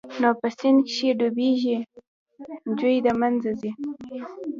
نو په سيند کښې ډوبېږي چوي د منځه ځي.